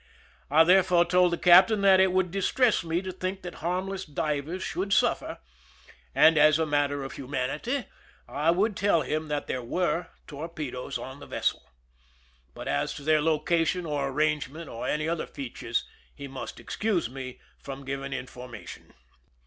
I thereupon told the captain that it would distress me to think that harmless divers should suffer, and as a matter of humanity I would tell him that there were torpedoes on the vessel, but as to their location or arrangement, or any other features, he must excuse me from giving information.